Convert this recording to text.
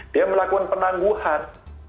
dia melakukan penangguhan